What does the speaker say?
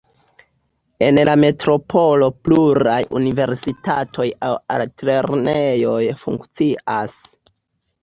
En la metropolo pluraj universitatoj aŭ altlernejoj funkcias.